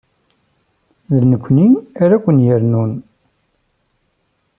D nekkni ara ken-yernun.